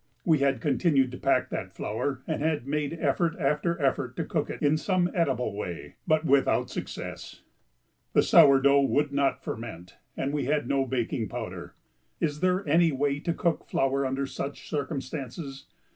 We had continued to pack that flour and had made effort after effort to cook it in some eatable way, but without success. The sour dough would not ferment, and we had no baking powder. Is there any way to cook flour under such circumstances?